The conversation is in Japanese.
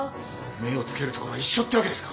目を付けるところは一緒ってわけですか。